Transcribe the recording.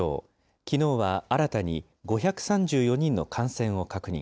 きのうは新たに５３４人の感染を確認。